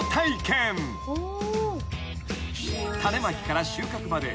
［種まきから収穫まで］